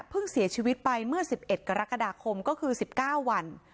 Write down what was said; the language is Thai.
เพิ่งเสียชีวิตไปเมื่อสิบเอ็ดกรกฎาคมก็คือสิบเก้าวัน